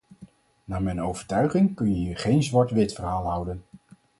Naar mijn overtuiging kun je hier geen zwart-wit verhaal houden.